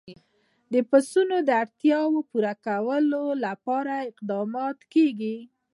د پسونو د اړتیاوو پوره کولو لپاره اقدامات کېږي.